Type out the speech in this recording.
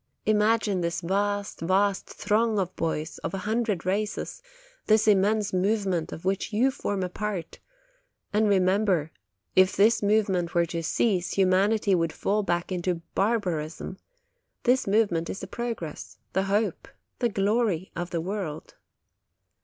Imagine this vast, vast throng of boys of a hundred races, this im mense movement of which you form a part, and re member, if this movement were to cease, humanity would fall back into barbarism; this movement is the progress, the hope, the glory of the world.